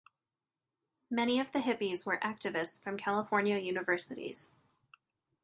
Many of the hippies were activists from California universities.